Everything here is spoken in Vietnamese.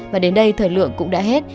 và đến đây thời lượng cũng đã hết